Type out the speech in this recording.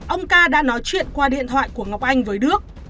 ông ca đã nói chuyện qua điện thoại của ngọc anh với đức